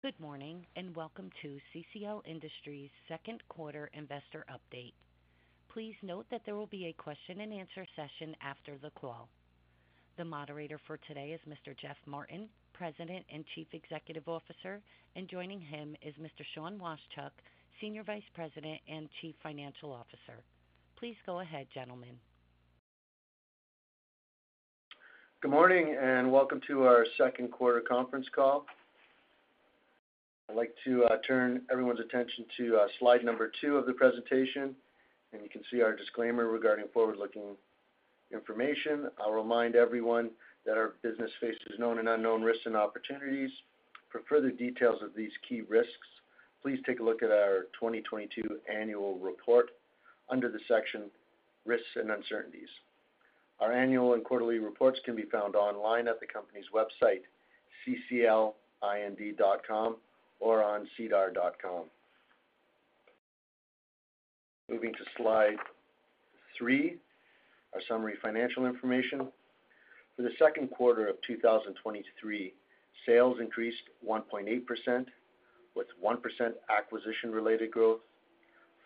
Good morning, and welcome to CCL Industries second quarter investor update. Please note that there will be a question-and-answer session after the call. The moderator for today is Mr. Geoff Martin, President and Chief Executive Officer, and joining him is Mr. Sean Washchuk, Senior Vice President and Chief Financial Officer. Please go ahead, gentlemen. Good morning, and welcome to our second quarter conference call. I'd like to turn everyone's attention to Slide 2 of the presentation, and you can see our disclaimer regarding forward-looking information. I'll remind everyone that our business faces known and unknown risks and opportunities. For further details of these key risks, please take a look at our 2022 Annual Report under the section Risks and Uncertainties. Our annual and quarterly reports can be found online at the company's website, cclind.com, or on sedar.com. Moving to Slide 3, our summary financial information. For the second quarter of 2023, sales increased 1.8%, with 1% acquisition-related growth,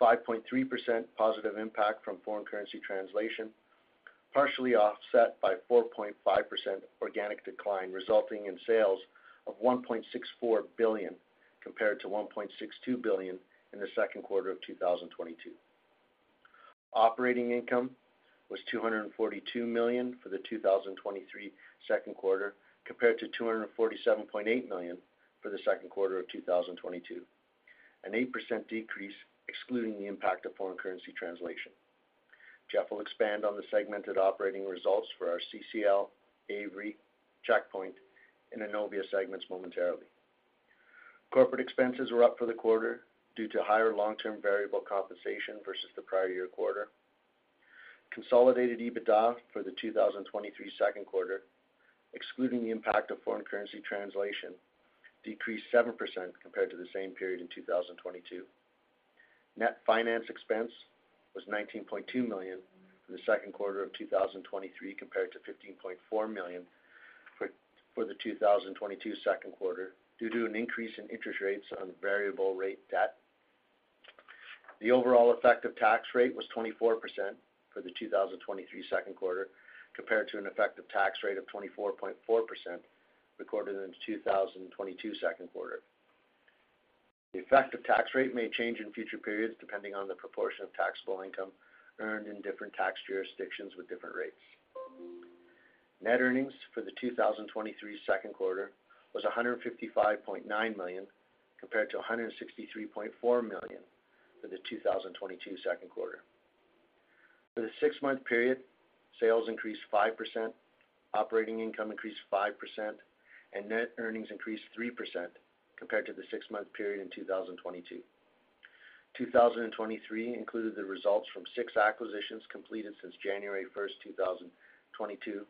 5.3% positive impact from foreign currency translation, partially offset by 4.5% organic decline, resulting in sales of 1.64 billion, compared to 1.62 billion in the second quarter of 2022. Operating income was 242 million for the 2023 second quarter, compared to 247.8 million for the second quarter of 2022, an 8% decrease, excluding the impact of foreign currency translation. Geoff will expand on the segmented operating results for our CCL, Avery, Checkpoint, and Innovia segments momentarily. Corporate expenses were up for the quarter due to higher long-term variable compensation versus the prior year quarter. Consolidated EBITDA for the 2023 second quarter, excluding the impact of foreign currency translation, decreased 7% compared to the same period in 2022. Net finance expense was 19.2 million for the second quarter of 2023, compared to 15.4 million for the 2022 second quarter, due to an increase in interest rates on variable rate debt. The overall effective tax rate was 24% for the 2023 second quarter, compared to an effective tax rate of 24.4% recorded in the 2022 second quarter. The effective tax rate may change in future periods, depending on the proportion of taxable income earned in different tax jurisdictions with different rates. Net earnings for the 2023 second quarter was 155.9 million, compared to 163.4 million for the 2022 second quarter. For the six-month period, sales increased 5%, operating income increased 5%, and net earnings increased 3% compared to the six-month period in 2022. 2023 included the results from six acquisitions completed since January 1st, 2022,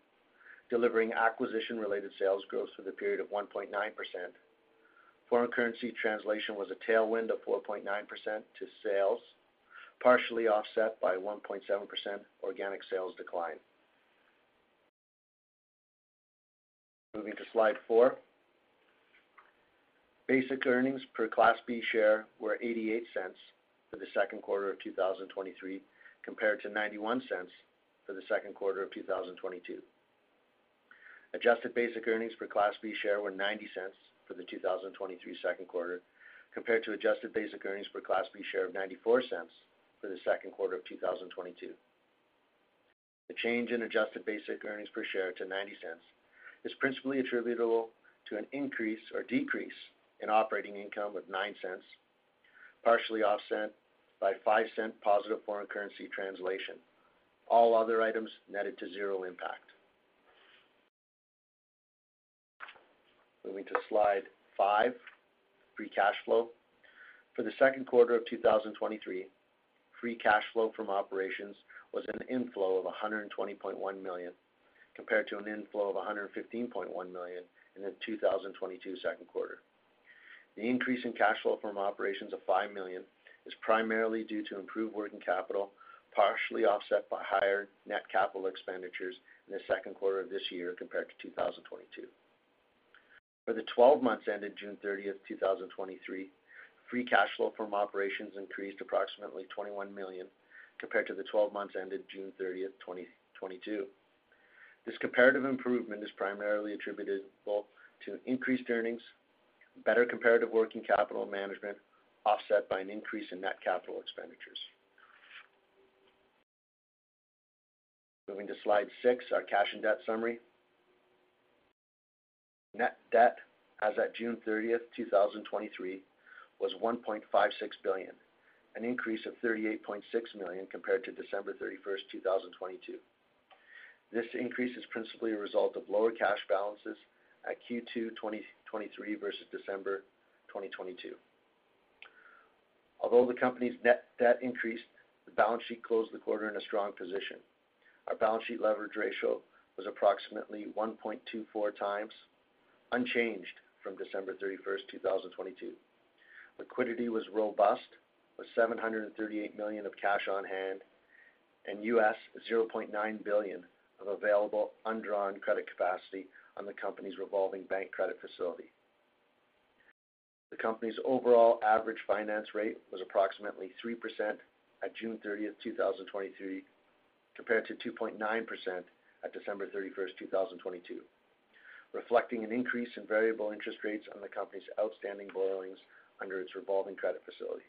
delivering acquisition-related sales growth for the period of 1.9%. Foreign currency translation was a tailwind of 4.9% to sales, partially offset by 1.7% organic sales decline. Moving to Slide 4. Basic earnings per Class B share were 0.88 for the second quarter of 2023, compared to 0.91 for the second quarter of 2022. Adjusted basic earnings per Class B share were 0.90 for the 2023 second quarter, compared to adjusted basic earnings per Class B share of 0.94 for the second quarter of 2022. The change in adjusted basic earnings per share to 0.90 is principally attributable to an increase or decrease in operating income of 0.09, partially offset by 0.05 positive foreign currency translation. All other items netted to zero impact. Moving to Slide 5, free cash flow. For the second quarter of 2023, free cash flow from operations was an inflow of 120.1 million, compared to an inflow of 115.1 million in the 2022 second quarter. The increase in cash flow from operations of 5 million is primarily due to improved working capital, partially offset by higher net capital expenditures in the second quarter of this year compared to 2022. For the 12 months ended June 30th, 2023, free cash flow from operations increased approximately 21 million compared to the 12 months ended June 30th, 2022. This comparative improvement is primarily attributable to increased earnings, better comparative working capital management, offset by an increase in net capital expenditures. Moving to Slide 6, our cash and debt summary. Net debt as at June 30th, 2023, was CAD 1.56 billion, an increase of CAD 38.6 million compared to December 31st, 2022. This increase is principally a result of lower cash balances at Q2 2023 versus December 2022. Although the company's net debt increased, the balance sheet closed the quarter in a strong position. Our balance sheet leverage ratio was approximately 1.24x, unchanged from December 31st, 2022. Liquidity was robust, with 738 million of cash on hand and $0.9 billion of available undrawn credit capacity on the company's revolving bank credit facility. The company's overall average finance rate was approximately 3% at June 30th, 2023, compared to 2.9% at December 31st, 2022, reflecting an increase in variable interest rates on the company's outstanding borrowings under its revolving credit facility.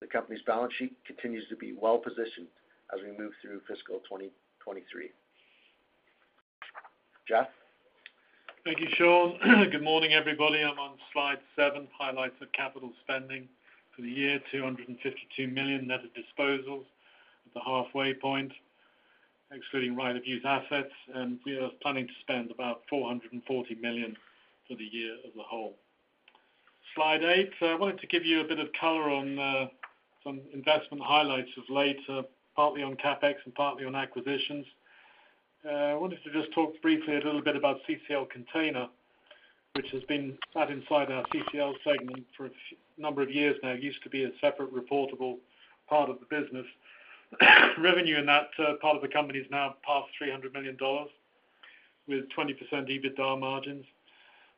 The company's balance sheet continues to be well positioned as we move through fiscal 2023. Geoff? Thank you, Sean. Good morning, everybody. I'm on Slide 7, highlights of capital spending for the year, 252 million net of disposals at the halfway point, excluding right-of-use assets, and we are planning to spend about 440 million for the year as a whole. Slide 8, I wanted to give you a bit of color on some investment highlights of late, partly on CapEx and partly on acquisitions. I wanted to just talk briefly a little bit about CCL Container, which has been sat inside our CCL segment for a number of years now. It used to be a separate reportable part of the business. Revenue in that part of the company is now past 300 million dollars, with 20% EBITDA margins.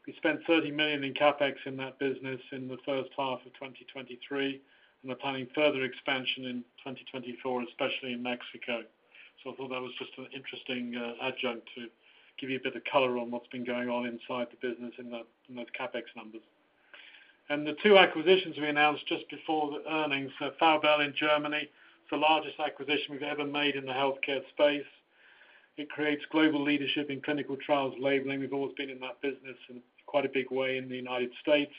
We spent 30 million in CapEx in that business in the first half of 2023. We're planning further expansion in 2024, especially in Mexico. I thought that was just an interesting adjunct to give you a bit of color on what's been going on inside the business in that, in those CapEx numbers. The two acquisitions we announced just before the earnings, Faubel in Germany, it's the largest acquisition we've ever made in the healthcare space. It creates global leadership in clinical trial labeling. We've always been in that business in quite a big way in the United States,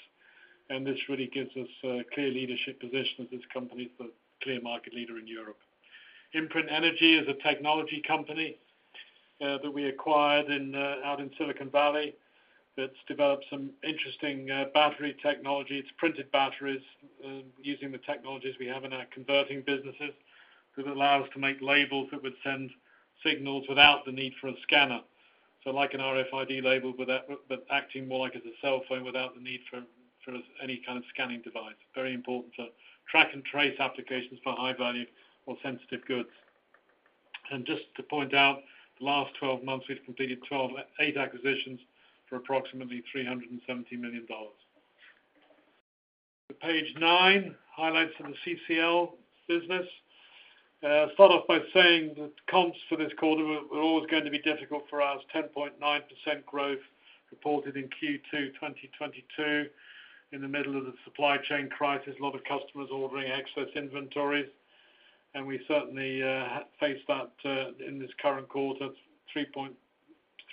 and this really gives us a clear leadership position as this company is the clear market leader in Europe. Imprint Energy is a technology company that we acquired in out in Silicon Valley, that's developed some interesting battery technology. It's printed batteries, using the technologies we have in our converting businesses, that allow us to make labels that would send signals without the need for a scanner. Like an RFID label, but, but acting more like as a cell phone without the need for, for any kind of scanning device. Very important to track and trace applications for high value or sensitive goods. Just to point out, the last 12 months, we've completed eight acquisitions for approximately 370 million dollars. To Page 9, highlights from the CCL business. Start off by saying that comps for this quarter were, were always going to be difficult for us. 10.9% growth reported in Q2 2022, in the middle of the supply chain crisis, a lot of customers ordering excess inventories, and we certainly faced that in this current quarter,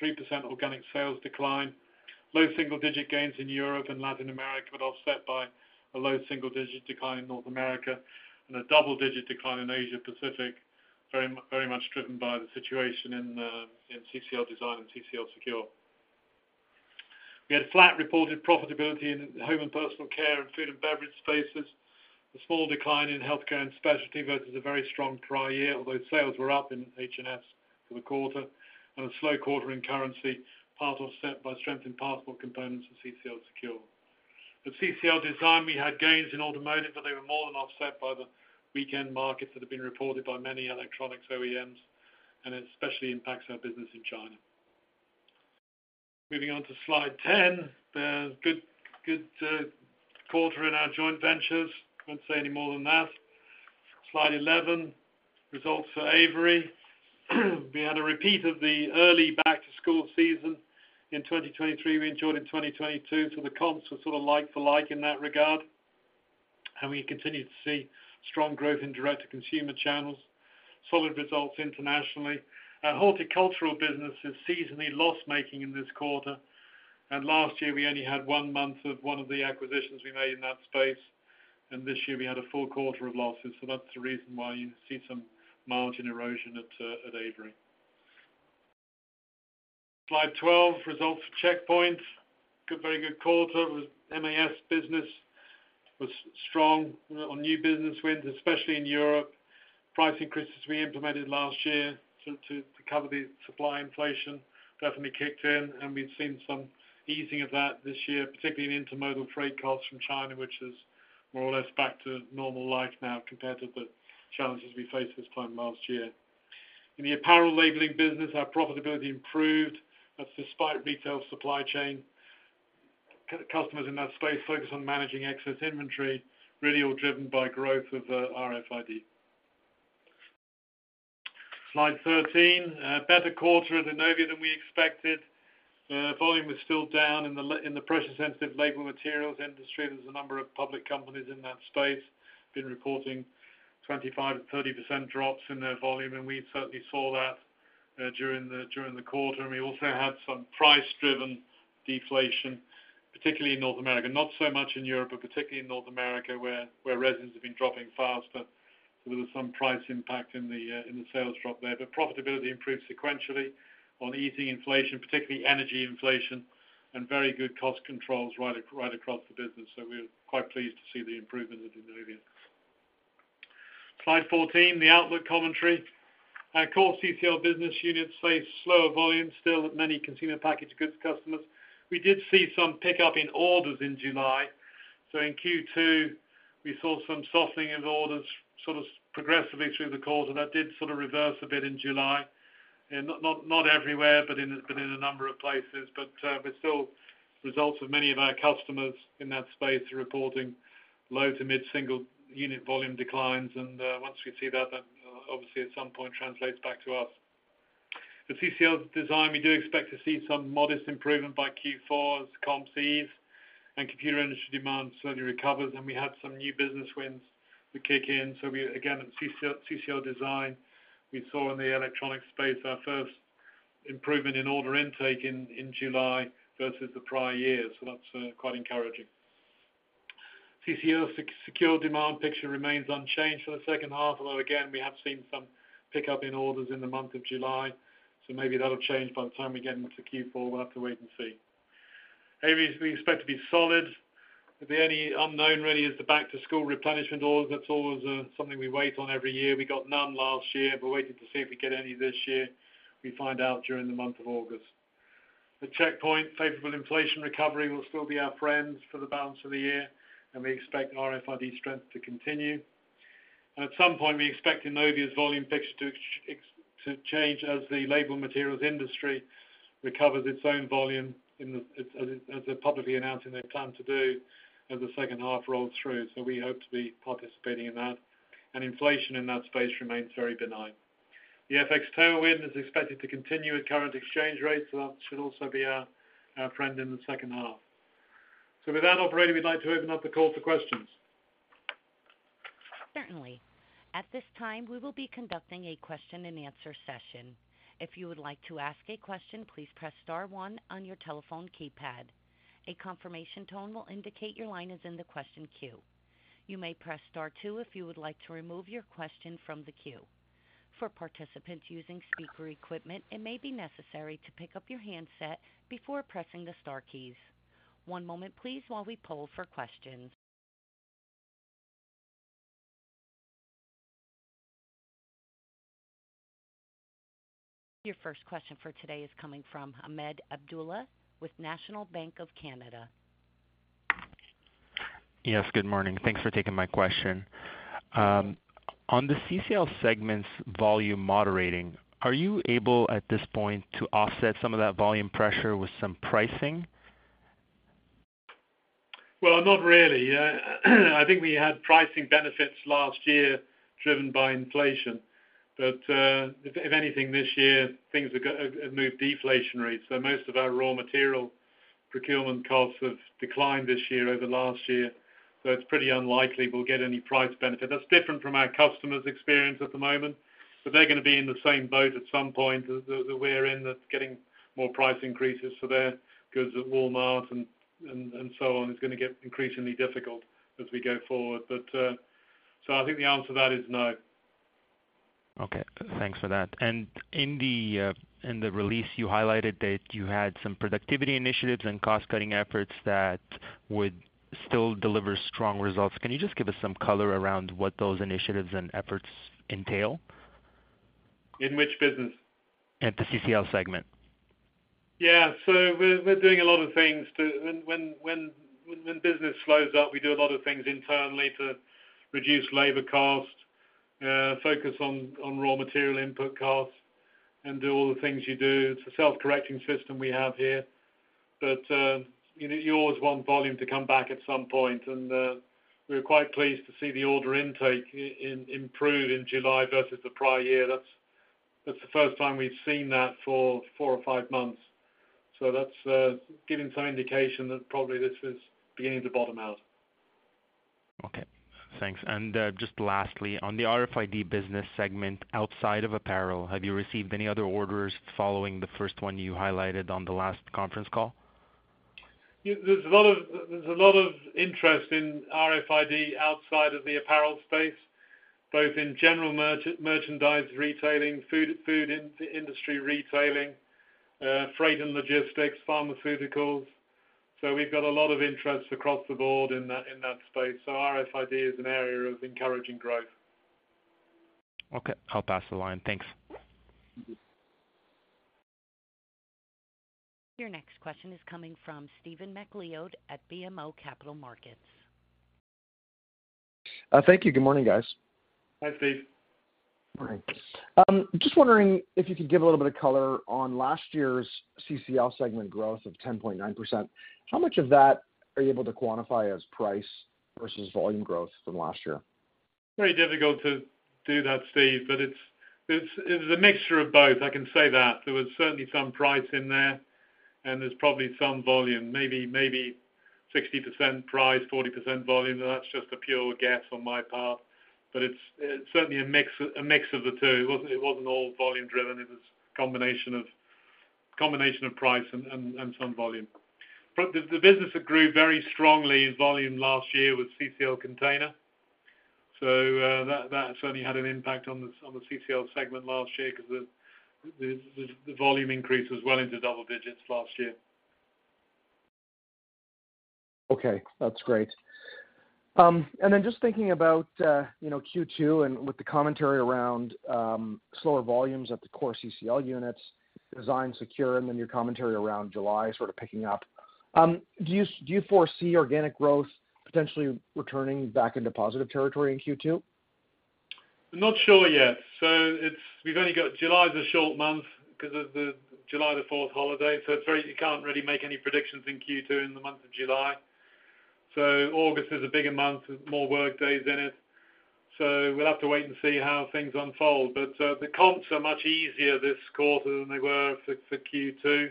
3.3% organic sales decline. Low single-digit gains in Europe and Latin America, but offset by a low single-digit decline in North America and a double-digit decline in Asia Pacific, very much driven by the situation in CCL Design and CCL Secure. We had flat reported profitability in home and personal care and food and beverage spaces. A small decline in healthcare and specialty, versus a very strong prior year, although sales were up in H&S for the quarter, and a slow quarter in currency, part offset by strength in Passport components and CCL Secure. At CCL Design, we had gains in automotive, they were more than offset by the weak-end markets that have been reported by many electronics OEMs. It especially impacts our business in China. Moving on to Slide 10. Good, good quarter in our joint ventures. I won't say any more than that. Slide 11, results for Avery. We had a repeat of the early back-to-school season in 2023. We enjoyed in 2022, the comps were sort of like for like in that regard. We continued to see strong growth in direct-to-consumer channels, solid results internationally. Our horticultural business is seasonally loss-making in this quarter. Last year we only had one month of one of the acquisitions we made in that space, this year we had a full quarter of losses. That's the reason why you see some margin erosion at Avery. Slide 12, results for Checkpoint. Good, very good quarter. The MAS business was strong on new business wins, especially in Europe. Price increases we implemented last year to cover the supply inflation definitely kicked in, and we've seen some easing of that this year, particularly in intermodal freight costs from China, which is more or less back to normal life now compared to the challenges we faced this time last year. In the apparel labeling business, our profitability improved. That's despite retail supply chain. Customers in that space focus on managing excess inventory, really all driven by growth of RFID. Slide 13, better quarter at Innovia than we expected. Volume was still down in the pressure-sensitive label materials industry. There's a number of public companies in that space, been reporting 25%-30% drops in their volume, and we certainly saw that during the quarter. We also had some price-driven deflation, particularly in North America. Not so much in Europe, but particularly in North America, where resins have been dropping faster. There was some price impact in the sales drop there. Profitability improved sequentially on easing inflation, particularly energy inflation, and very good cost controls right across the business. We're quite pleased to see the improvement at Innovia. Slide 14, the outlook commentary. Our core CCL business units face slower volume still at many consumer packaged goods customers. We did see some pickup in orders in July. In Q2, we saw some softening of orders sort of progressively through the quarter. That did sort of reverse a bit in July, and not, not, not everywhere, but in, but in a number of places. We're still results of many of our customers in that space are reporting low to mid-single unit volume declines, and once we see that, then obviously at some point translates back to us. The CCL Design, we do expect to see some modest improvement by Q4 as comps ease and computer industry demand slowly recovers, and we have some new business wins to kick in. We again, at CCL Design, we saw in the electronic space our first improvement in order intake in, in July versus the prior year. That's quite encouraging. CCL Secure demand picture remains unchanged for the second half, although again, we have seen some pickup in orders in the month of July, so maybe that'll change by the time we get into Q4. We'll have to wait and see. Avery, we expect to be solid. The only unknown really is the back-to-school replenishment orders. That's always something we wait on every year. We got none last year. We're waiting to see if we get any this year. We find out during the month of August. The Checkpoint favorable inflation recovery will still be our friends for the balance of the year, and we expect RFID strength to continue. At some point, we expect Innovia's volume picture to change as the label materials industry recovers its own volume as they're publicly announcing their plan to do, as the second half rolls through. We hope to be participating in that, and inflation in that space remains very benign. The FX tailwind is expected to continue at current exchange rates, so that should also be our friend in the second half. With that operator, we'd like to open up the call for questions. Certainly. At this time, we will be conducting a question-and-answer session. If you would like to ask a question, please press star one on your telephone keypad. A confirmation tone will indicate your line is in the question queue. You may press star two if you would like to remove your question from the queue. For participants using speaker equipment, it may be necessary to pick up your handset before pressing the star keys. One moment please, while we poll for questions. Your first question for today is coming from Ahmed Abdullah with National Bank of Canada. Yes, good morning. Thanks for taking my question. On the CCL segments volume moderating, are you able, at this point, to offset some of that volume pressure with some pricing? Well, not really. I think we had pricing benefits last year driven by inflation, but if, if anything, this year, things have got moved deflationary. Most of our raw material procurement costs have declined this year over last year, so it's pretty unlikely we'll get any price benefit. That's different from our customers' experience at the moment, but they're gonna be in the same boat at some point as, as we're in, that's getting more price increases for their goods at Walmart and, and, and so on. It's gonna get increasingly difficult as we go forward. So I think the answer to that is no. Okay, thanks for that. In the release, you highlighted that you had some productivity initiatives and cost-cutting efforts that would still deliver strong results. Can you just give us some color around what those initiatives and efforts entail? In which business? At the CCL segment. Yeah. We're, we're doing a lot of things to, when, when, when, when business slows up, we do a lot of things internally to reduce labor costs, focus on, on raw material input costs, and do all the things you do. It's a self-correcting system we have here, but, you know, you always want volume to come back at some point, and we're quite pleased to see the order intake improved in July versus the prior year. That's, that's the first time we've seen that for four or five months. That's giving some indication that probably this is beginning to bottom out. Okay, thanks. Just lastly, on the RFID business segment, outside of apparel, have you received any other orders following the first one you highlighted on the last conference call? Yeah, there's a lot of, there's a lot of interest in RFID outside of the apparel space, both in general merchandise retailing, food industry retailing, freight and logistics, pharmaceuticals. We've got a lot of interest across the board in that, in that space. RFID is an area of encouraging growth. Okay, I'll pass the line. Thanks. Your next question is coming from Stephen MacLeod at BMO Capital Markets. Thank you. Good morning, guys. Hi, Steve. All right. Just wondering if you could give a little bit of color on last year's CCL segment growth of 10.9%. How much of that are you able to quantify as price versus volume growth from last year? Very difficult to do that, Steve, it's, it's, it's a mixture of both, I can say that. There was certainly some price in there, and there's probably some volume, maybe, maybe 60% price, 40% volume, and that's just a pure guess on my part. It's, it's certainly a mix, a mix of the two. It wasn't, it wasn't all volume driven. It was a combination of, combination of price and, and, and some volume. The, the business that grew very strongly in volume last year was CCL Container. That, that certainly had an impact on the, on the CCL segment last year because the, the, the, the volume increase was well into double digits last year. Okay, that's great. Then just thinking about, you know, Q2, and with the commentary around slower volumes at the core CCL units, Design, Secure, and then your commentary around July sort of picking up, do you, do you foresee organic growth potentially returning back into positive territory in Q2? Not sure yet. We've only got July is a short month because of the July the 4th holiday. You can't really make any predictions in Q2 in the month of July. August is a bigger month, there's more work days in it, so we'll have to wait and see how things unfold. The comps are much easier this quarter than they were for Q2.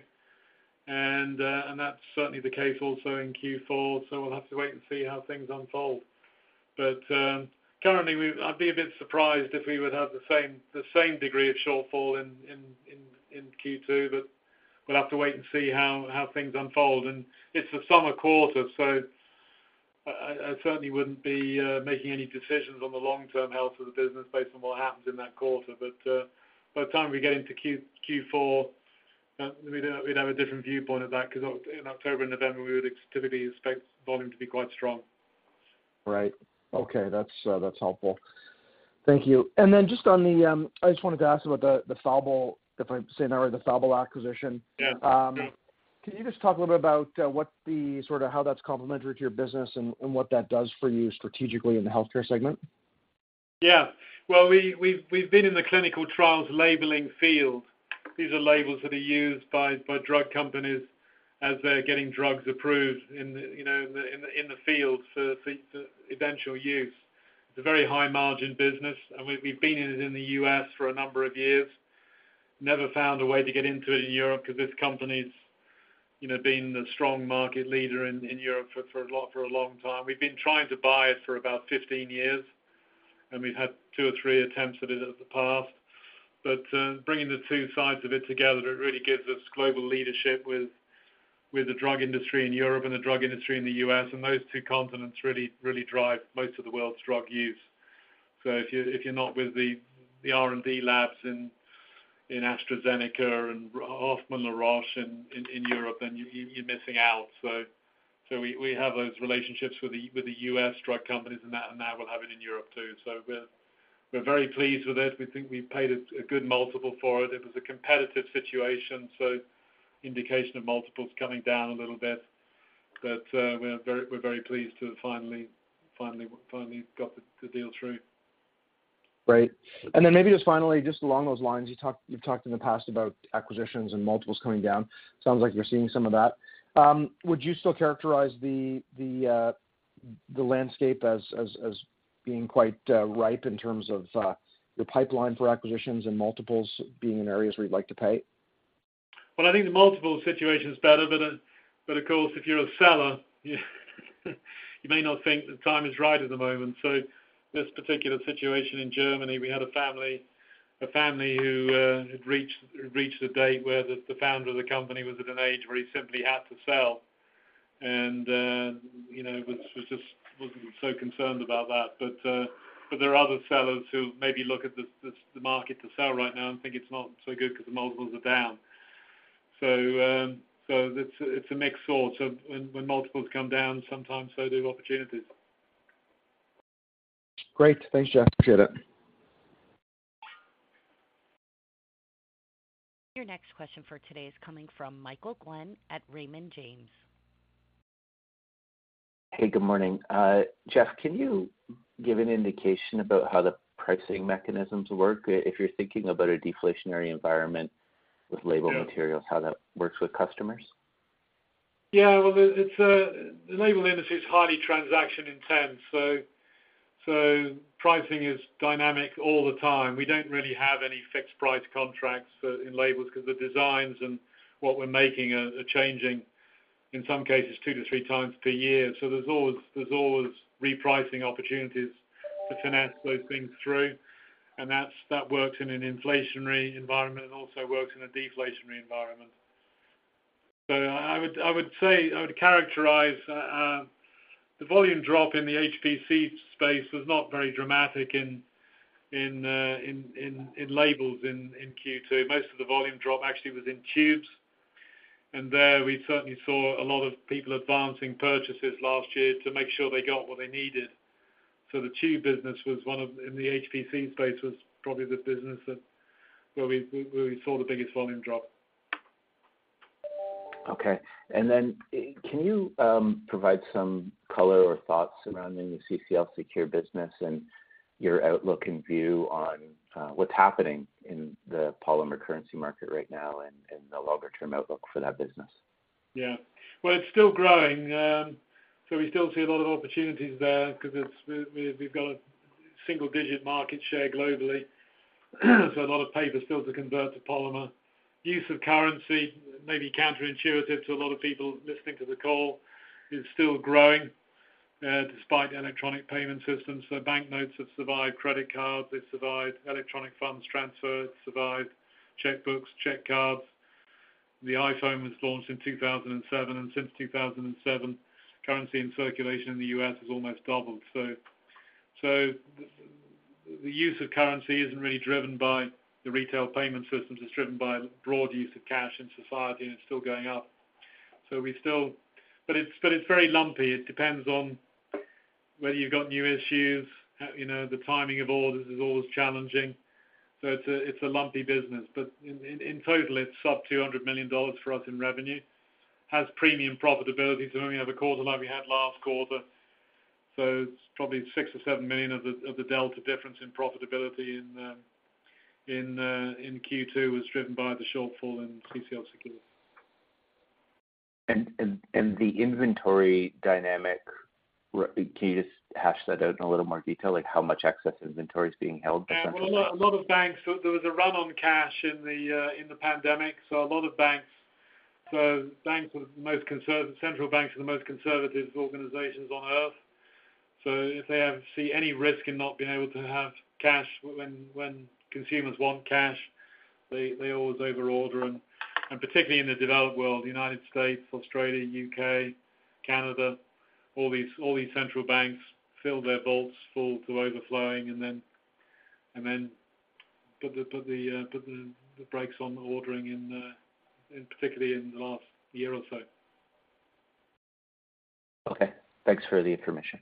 That's certainly the case also in Q4, so we'll have to wait and see how things unfold. Currently, I'd be a bit surprised if we would have the same degree of shortfall in Q2, but we'll have to wait and see how things unfold. It's a summer quarter, so I, I, I certainly wouldn't be making any decisions on the long-term health of the business based on what happens in that quarter. But by the time we get into Q4, we'd have, we'd have a different viewpoint of that because in October and November, we would actively expect volume to be quite strong. Right. Okay, that's, that's helpful. Thank you. Then just on the, I just wanted to ask about the, the Faubel, if I'm saying that right, the Faubel acquisition. Yeah. Can you just talk a little bit about, what the sort of how that's complementary to your business and, and what that does for you strategically in the healthcare segment? Yeah. Well, we, we've, we've been in the clinical trials labeling field. These are labels that are used by, by drug companies as they're getting drugs approved in the, you know, in the, in the field for, for eventual use. It's a very high-margin business, and we've, we've been in it in the U.S. for a number of years. Never found a way to get into it in Europe because this company's, you know, been the strong market leader in, in Europe for, for a long, for a long time. We've been trying to buy it for about 15 years, and we've had two or three attempts at it at the past. Bringing the two sides of it together, it really gives us global leadership with, with the drug industry in Europe and the drug industry in the U.S., and those two continents really, really drive most of the world's drug use. If you're, if you're not with the, the R&D labs in, in AstraZeneca and Hoffmann-La Roche in, in Europe, then you're, you're missing out. We, we have those relationships with the, with the U.S. drug companies, and now, and now we'll have it in Europe, too. We're, we're very pleased with it. We think we paid a, a good multiple for it. It was a competitive situation, so indication of multiples coming down a little bit. We're very, we're very pleased to have finally, finally, finally got the, the deal through. Great. Then maybe just finally, just along those lines, you talked, you've talked in the past about acquisitions and multiples coming down. Sounds like you're seeing some of that. Would you still characterize the landscape as being quite ripe in terms of your pipeline for acquisitions and multiples being in areas where you'd like to pay? I think the multiple situation is better, but, but of course, if you're a seller, you may not think the time is right at the moment. This particular situation in Germany, we had a family, a family who had reached, reached a date where the, the founder of the company was at an age where he simply had to sell. You know, was, was just, was so concerned about that. But, but there are other sellers who maybe look at the, the, the market to sell right now and think it's not so good because the multiples are down. It's, it's a mixed source. When, when multiples come down, sometimes so do opportunities. Great. Thanks, Geoff. Appreciate it. Your next question for today is coming from Michael Glen at Raymond James. Hey, good morning. Geoff, can you give an indication about how the pricing mechanisms work if you're thinking about a deflationary environment with label materials? Yeah. How that works with customers? Yeah, well, it's the label industry is highly transaction intense, so, so pricing is dynamic all the time. We don't really have any fixed price contracts for, in labels because the designs and what we're making are, are changing in some cases, two or three times per year. There's always, there's always repricing opportunities to finesse those things through, and that's, that works in an inflationary environment and also works in a deflationary environment. The volume drop in the HPC space was not very dramatic in, in labels in Q2. Most of the volume drop actually was in tubes, and there we certainly saw a lot of people advancing purchases last year to make sure they got what they needed. The tube business was one of, in the HPC space, was probably the business that where we, where we saw the biggest volume drop. Okay. Can you provide some color or thoughts surrounding the CCL Secure business and your outlook and view on what's happening in the polymer currency market right now and, and the longer-term outlook for that business? Yeah. Well, it's still growing. We still see a lot of opportunities there because we've got a single-digit market share globally, so a lot of paper still to convert to polymer. Use of currency, maybe counterintuitive to a lot of people listening to the call, is still growing despite electronic payment systems. Banknotes have survived credit cards, they've survived electronic funds transfers, survived checkbooks, check cards. The iPhone was launched in 2007, and since 2007, currency in circulation in the U.S. has almost doubled. The use of currency isn't really driven by the retail payment systems. It's driven by broad use of cash in society, and it's still going up. It's very lumpy. It depends on whether you've got new issues. You know, the timing of orders is always challenging, so it's a, it's a lumpy business. In, in, in total, it's up 200 million dollars for us in revenue. Has premium profitability, so when we have a quarter like we had last quarter, so it's probably 6 million-7 million of the, of the delta difference in profitability in Q2 was driven by the shortfall in CCL Secure. The inventory dynamic, can you just hash that out in a little more detail? Like, how much excess inventory is being held, essentially? Yeah, well, a lot, a lot of banks, so there was a run on cash in the pandemic. A lot of banks, so banks are the most conservative, central banks are the most conservative organizations on earth. If they ever see any risk in not being able to have cash when, when consumers want cash, they, they always overorder them, and particularly in the developed world, United States, Australia, U.K., Canada, all these, all these central banks fill their vaults full to overflowing and then, and then put the, put the, put the, the brakes on the ordering in particularly in the last year or so. Okay, thanks for the information.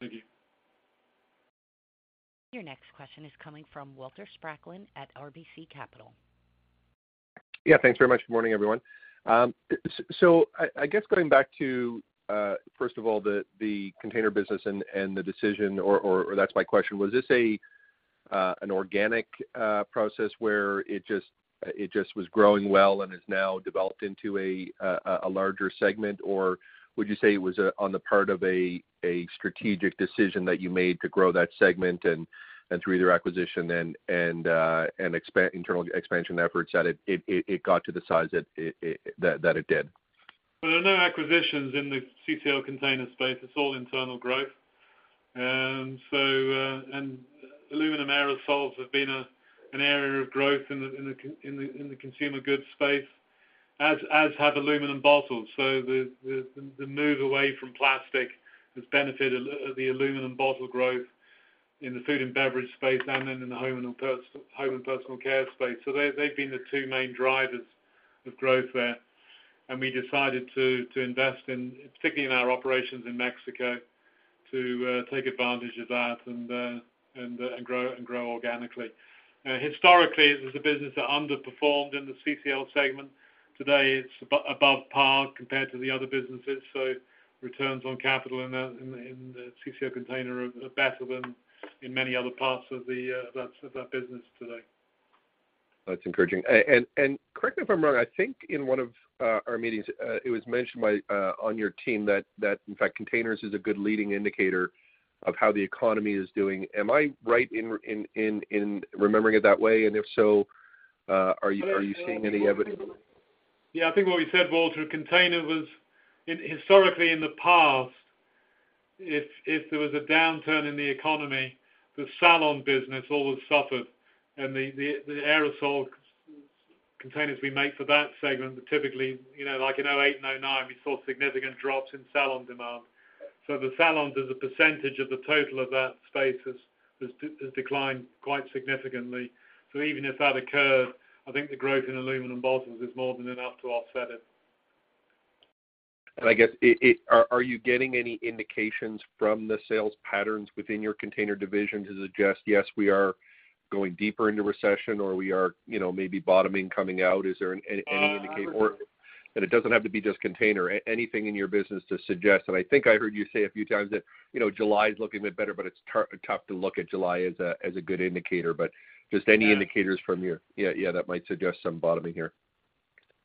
Thank you. Your next question is coming from Walter Spracklin at RBC Capital. Yeah, thanks very much. Good morning, everyone. So I, I guess going back to, first of all, the, the container business and, and the decision or, or, or that's my question. Was this a, an organic process where it just, it just was growing well and has now developed into a, a larger segment? Would you say it was, on the part of a, a strategic decision that you made to grow that segment and, and through either acquisition and, and internal expansion efforts, that it, it, it got to the size that it, it, that, that it did? Well, there are no acquisitions in the CCL Container space. It's all internal growth. So, and aluminum aerosols have been a, an area of growth in the consumer goods space, as, as have aluminum bottles. So the, the, the move away from plastic has benefited the aluminum bottle growth in the food and beverage space and then in the home and personal care space. So they, they've been the two main drivers of growth there, and we decided to, to invest in, particularly in our operations in Mexico, to take advantage of that and and and grow, and grow organically. Historically, this is a business that underperformed in the CCL segment. Today, it's above par compared to the other businesses. Returns on capital in the CCL Container are better than in many other parts of that business today. That's encouraging. Correct me if I'm wrong, I think in one of our meetings, it was mentioned by on your team that, that in fact, containers is a good leading indicator of how the economy is doing. Am I right in remembering it that way? If so, are you. Well, I think. Are you seeing any evidence of it? Yeah, I think what we said, Walter, Container was, in historically, in the past, if, if there was a downturn in the economy, the salon business always suffered, and the, the, the aerosol containers we make for that segment are typically, you know, like in 2008 and 2009, we saw significant drops in salon demand. The salons, as a percentage of the total of that space, has declined quite significantly. Even if that occurred, I think the growth in aluminum bottles is more than enough to offset it. I guess, are you getting any indications from the sales patterns within your Container division to suggest, yes, we are going deeper into recession, or we are, you know, maybe bottoming, coming out? Is there? Uh. Any indicator or, and it doesn't have to be just container, anything in your business to suggest, and I think I heard you say a few times that, you know, July is looking a bit better, but it's tough to look at July as a, as a good indicator. Just any indicators. Yeah. From your, yeah, yeah, that might suggest some bottoming here.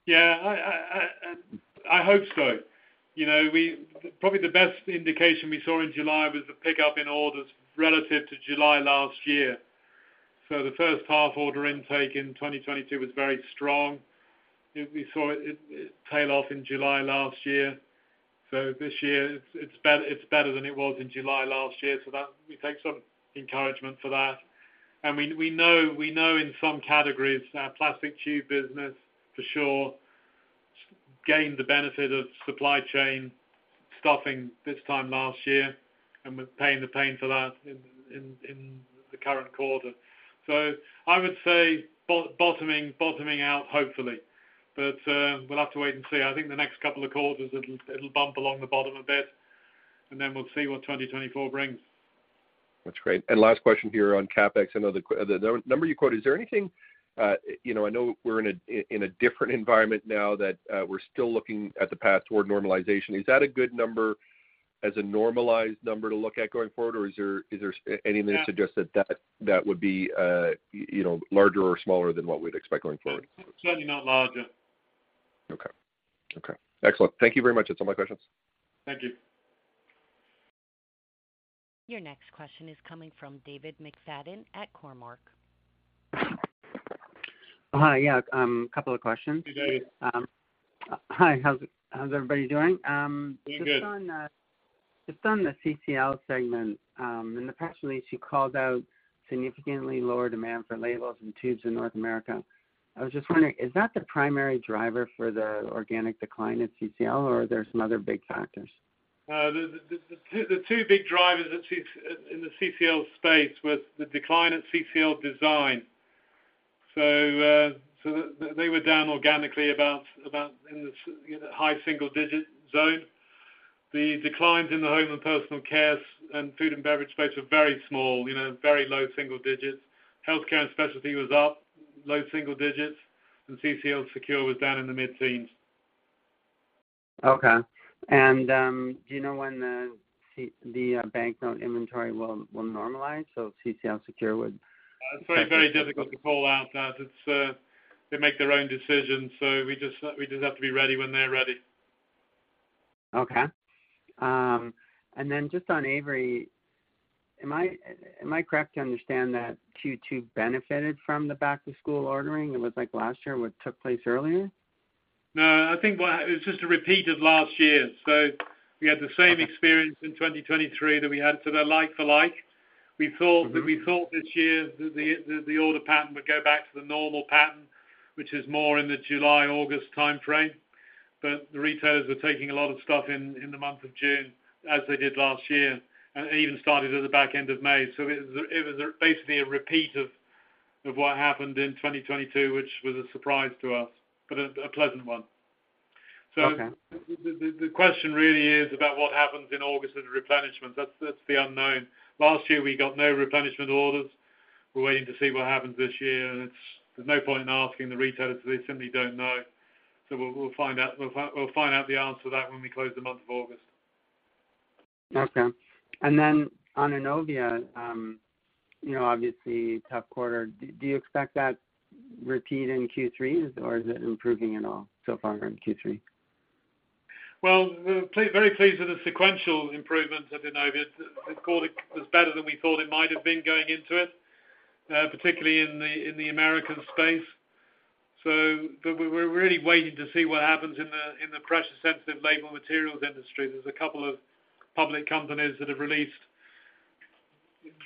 Yeah, I, I, I, I hope so. You know, probably the best indication we saw in July was a pickup in orders relative to July last year. The first half order intake in 2022 was very strong. We saw it, it tail off in July last year. This year it's, it's better, it's better than it was in July last year, so that we take some encouragement for that. We, we know, we know in some categories, our plastic tube business, for sure, gained the benefit of supply chain stopping this time last year and we're paying the paying for that in, in, in the current quarter. I would say bottoming, bottoming out, hopefully. We'll have to wait and see. I think the next couple of quarters, it'll, it'll bump along the bottom a bit. Then we'll see what 2024 brings. Last question here on CapEx, I know the number you quoted. Is there anything, you know, I know we're in a different environment now that, we're still looking at the path toward normalization. Is that a good number as a normalized number to look at going forward, or is there, is there anything? Yeah. That suggests that, that, that would be, you know, larger or smaller than what we'd expect going forward? Certainly not larger. Okay. Okay, excellent. Thank you very much. That's all my questions. Thank you. Your next question is coming from David McFadgen at Cormark. Hi. Yeah, a couple of questions. Hey, David. Hi. How's everybody doing? We're good. Just on, just on the CCL segment, and apparently, she called out significantly lower demand for labels and tubes in North America. I was just wondering, is that the primary driver for the organic decline in CCL, or are there some other big factors? The two big drivers in the CCL space was the decline at CCL Design. They were down organically about in the high single-digit zone. The declines in the home and personal care and food and beverage space were very small, you know, very low single digits. Healthcare and Specialty was up low single digits, and CCL Secure was down in the mid-teens. Okay. Do you know when the banknote inventory will normalize, so CCL Secure would? It's very, very difficult to call out that. It's, they make their own decisions, so we just, we just have to be ready when they're ready. Okay. Then just on Avery, am I, am I correct to understand that Q2 benefited from the back-to-school ordering? It was like last year, what took place earlier? No, I think what happened, it's just a repeat of last year. We had the same experience in 2023 that we had, so they're like for like. We thought. Mm-hmm. That we thought this year that the, the order pattern would go back to the normal pattern, which is more in the July, August time frame. The retailers were taking a lot of stuff in, in the month of June, as they did last year, and even started at the back end of May. It was, it was basically a repeat of, of what happened in 2022, which was a surprise to us, but a, a pleasant one. Okay. The question really is about what happens in August with the replenishment. That's, that's the unknown. Last year, we got no replenishment orders. We're waiting to see what happens this year. There's no point in asking the retailers, they simply don't know. We'll find out, we'll find out the answer to that when we close the month of August. Okay. Then on Innovia, you know, obviously, tough quarter. Do you expect that repeat in Q3, or is it improving at all so far in Q3? Well, we're very pleased with the sequential improvement at Innovia. We called it, it's better than we thought it might have been going into it, particularly in the American space. But we, we're really waiting to see what happens in the pressure-sensitive label materials industry. There's a couple of public companies that have released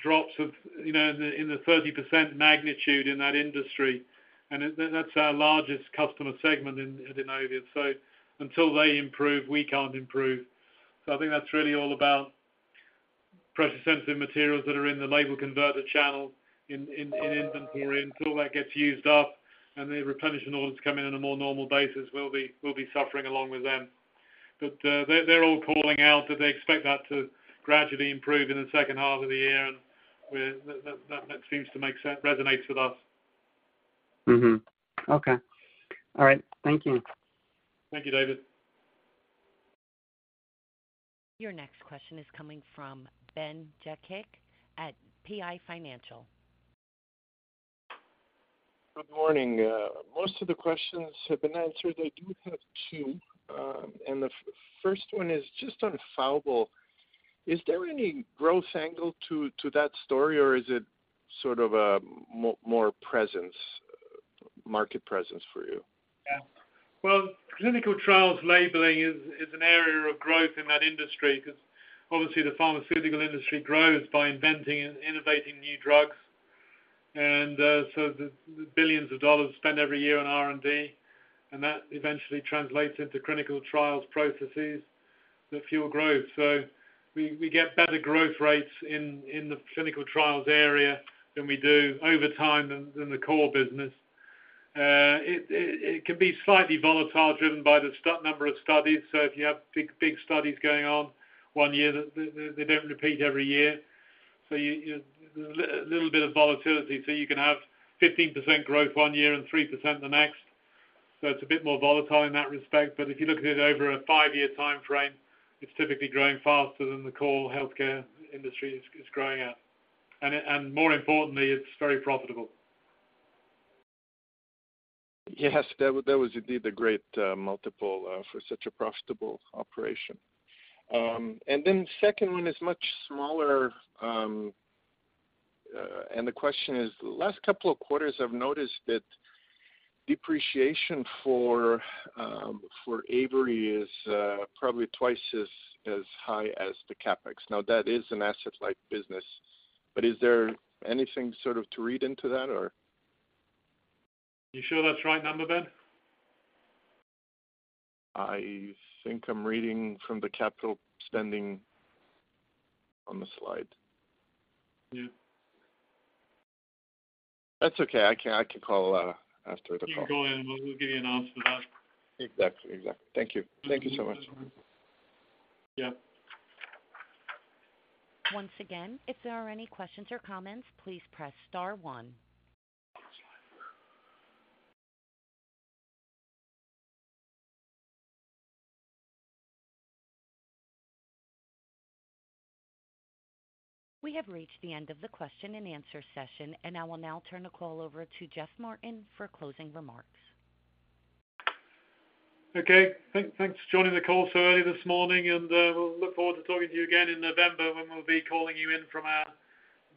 drops of, you know, in the 30% magnitude in that industry, and that's our largest customer segment at Innovia. Until they improve, we can't improve. I think that's really all about pressure-sensitive materials that are in the label converter channel in inventory. Until that gets used up and the replenishment orders come in on a more normal basis, we'll be, we'll be suffering along with them. They're all calling out, that they expect that to gradually improve in the second half of the year, and that seems to make sense, resonates with us. Mm-hmm. Okay. All right, thank you. Thank you, David. Your next question is coming from Ben Jekic at PI Financial. Good morning. Most of the questions have been answered. I do have two, and the first one is just on Faubel. Is there any growth angle to that story, or is it sort of a more presence, market presence for you? Yeah. Well, clinical trial labeling is, is an area of growth in that industry because obviously, the pharmaceutical industry grows by inventing and innovating new drugs. The billions of dollars spent every year on R&D, and that eventually translates into clinical trials processes that fuel growth. We, we get better growth rates in, in the clinical trials area than we do over time than, than the core business. It, it, it can be slightly volatile, driven by the number of studies. If you have big, big studies going on one year, they, they, they don't repeat every year. A little bit of volatility. You can have 15% growth one year and 3% the next. It's a bit more volatile in that respect, but if you look at it over a five-year time frame, it's typically growing faster than the core healthcare industry is growing at. More importantly, it's very profitable. Yes, that was, that was indeed a great multiple for such a profitable operation. The second one is much smaller, and the question is: last couple of quarters, I've noticed that depreciation for Avery is probably twice as high as the CapEx. Now, that is an asset-like business, but is there anything sort of to read into that, or? You sure that's the right number, Ben? I think I'm reading from the capital spending on the slide. Yeah. That's okay. I can call after the call. You go ahead, and we'll get you an answer for that. Exactly. Exactly. Thank you. Thank you so much. Yeah. Once again, if there are any questions or comments, please press star one. We have reached the end of the question and answer session. I will now turn the call over to Geoff Martin for closing remarks. Okay. Thanks for joining the call so early this morning, and we'll look forward to talking to you again in November when we'll be calling you in from our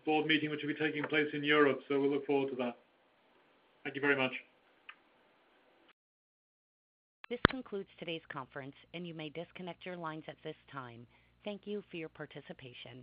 Board Meeting, which will be taking place in Europe. We'll look forward to that. Thank you very much. This concludes today's conference, and you may disconnect your lines at this time. Thank you for your participation.